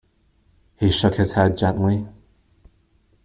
He shook his head gently.